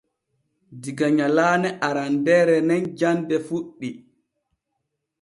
Diga nyalaane arandeere nin jande fuɗɗi.